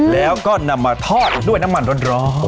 แล้วก็นำมาทอดด้วยน้ำมันร้อน